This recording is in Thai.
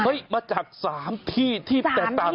เฮ้ยมาจาก๓ที่ที่แตกตากัน